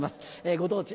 ご当地